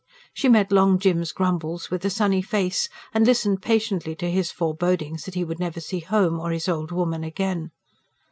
She met Long Jim's grumbles with a sunny face, and listened patiently to his forebodings that he would never see "home" or his old woman again.